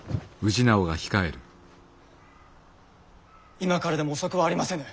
今からでも遅くはありませぬ。